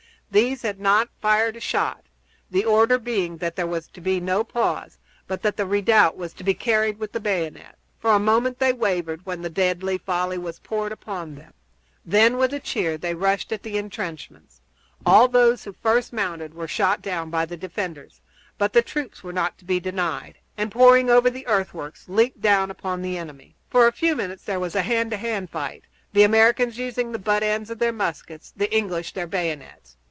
These had not fired a shot, the order being that there was to be no pause, but that the redoubt was to be carried with the bayonet. For a moment they wavered when the deadly volley was poured in upon them. Then, with a cheer, they rushed at the intrenchments. All those who first mounted were shot down by the defenders, but the troops would not be denied, and, pouring over the earthworks leaped down upon the enemy. For a few minutes there was a hand to hand fight, the Americans using the butt ends of their muskets, the English their bayonets.